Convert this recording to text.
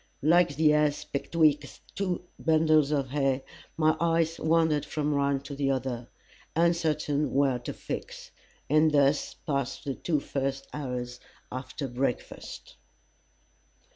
Like the ass betwixt two bundles of hay, my eyes wandered from one to the other uncertain where to fix. And thus passed the two first hours after breakfast.